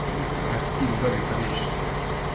baratsindwa bikabije